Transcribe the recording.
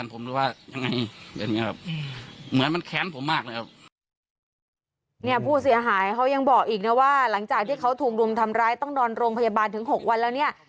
ผู้เสียหายเขายังบอกอีกนะว่าหลังจากที่เขาถูกรุมทำร้ายต้องนอนโรงพยาบาลถึง๖วันแล้วเนี่ย